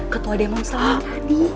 ketua demo selama tadi